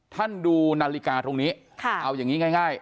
ท่านดูนาฬิกาตรงนี้ค่ะเอายังงี้ง่ายง่าย